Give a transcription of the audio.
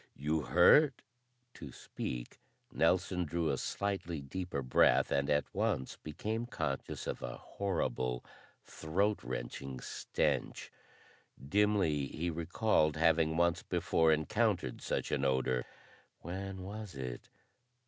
"You hurt?" To speak, Nelson drew a slightly deeper breath and at once became conscious of a horrible, throat wrenching stench. Dimly, he recalled having once before encountered such an odor; when was it?